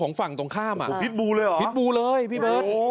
ฝั่งตรงข้ามอ่ะพิษบูเลยเหรอพิษบูเลยพี่เบิร์ต